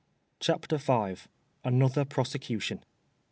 CHAPTER V. ANOTHER PROSECUTION.